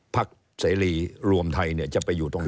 ภักษ์เสรีรวมไทยจะไปอยู่ตรงนี้